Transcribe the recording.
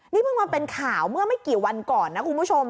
นี่เพิ่งมาเป็นข่าวเมื่อไม่กี่วันก่อนนะคุณผู้ชม